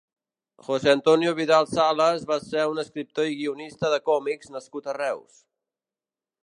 José Antonio Vidal Sales va ser un escriptor i guionista de còmics nascut a Reus.